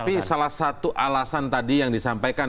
tapi salah satu alasan tadi yang disampaikan